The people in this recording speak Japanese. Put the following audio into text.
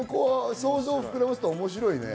想像を膨らませると面白いね。